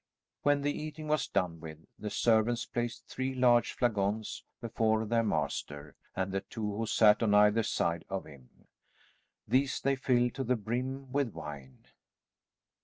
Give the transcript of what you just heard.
When the eating was done with, the servants placed three large flagons before their master and the two who sat on either side of him. These they filled to the brim with wine.